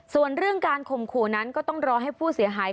ส่วนเรื่องการข่มขู่นั้นก็ต้องรอให้ผู้เสียหาย